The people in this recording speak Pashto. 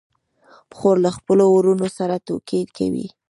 خور له خپلو وروڼو سره ټوکې کوي.